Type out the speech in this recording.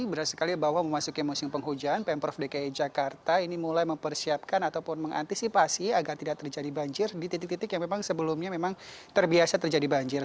benar sekali bahwa memasuki musim penghujan pemprov dki jakarta ini mulai mempersiapkan ataupun mengantisipasi agar tidak terjadi banjir di titik titik yang memang sebelumnya memang terbiasa terjadi banjir